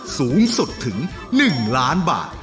สูงสุดถึง๑ล้านบาท